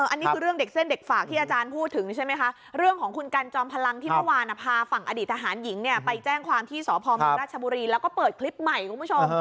อันนี้คือเรื่องเด็กเส้นเด็กฝากที่อาจารย์พูดถึงใช่ไหมคะเรื่องของคุณกันจอมพลังที่เมื่อวานพาฝั่งอดีตทหารหญิงเนี่ยไปแจ้งความที่สพเมืองราชบุรีแล้วก็เปิดคลิปใหม่คุณผู้ชม